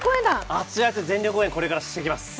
熱い熱い全力応援、これからしていきます。